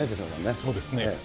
そうですね。